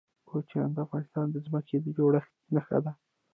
کوچیان د افغانستان د ځمکې د جوړښت نښه ده.